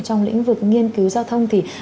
trong lĩnh vực nghiên cứu giao thông thì